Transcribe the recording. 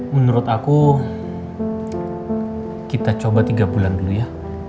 menurut aku kita coba tiga bulan dulu ya